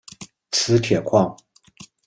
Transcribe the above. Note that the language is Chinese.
磁铁矿。